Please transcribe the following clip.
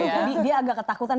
jadi dia agak ketakutan